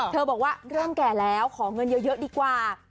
บอกว่าเริ่มแก่แล้วขอเงินเยอะดีกว่า